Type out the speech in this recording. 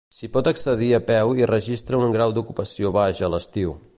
S'hi pot accedir a peu i registra un grau d'ocupació baix a l'estiu.